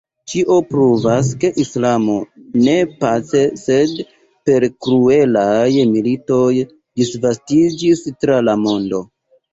Ĉio pruvas, ke islamo ne pace sed per kruelaj militoj disvastiĝis tra la mondo.